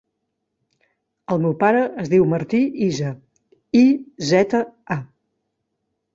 El meu pare es diu Martí Iza: i, zeta, a.